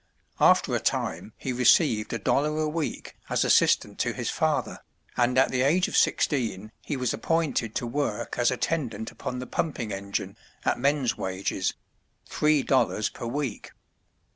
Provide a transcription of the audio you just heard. After a time he received a dollar a week as assistant to his father, and at the age of sixteen he was appointed to work as attendant upon the pumping engine, at men's wages, three dollars per week.